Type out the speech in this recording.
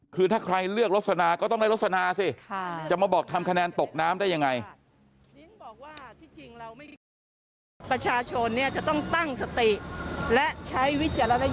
คือถ้าใครเลือกรสนาก็ต้องได้รสนาสิจะมาบอกทำคะแนนตกน้ำได้ยังไง